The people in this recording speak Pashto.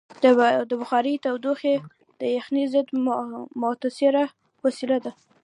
د بخارۍ تودوخه د یخنۍ ضد مؤثره وسیله ده.